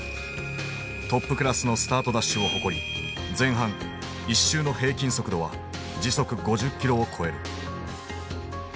トップクラスのスタートダッシュを誇り前半１周の平均速度は時速５０キロを超える。